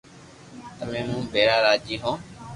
تمي مون ڀيرا راجي ھون